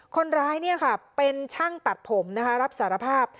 คนร้ายเป็นช่างตัดผมนะคะรับสารภาพ